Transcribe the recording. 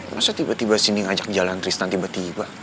masa tiba tiba sini ngajak jalan tristan tiba tiba